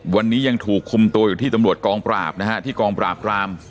วันนี้ยังถูกคุมตัวอยู่ที่ตำรวจกองปราบนะฮะที่กองปราบราม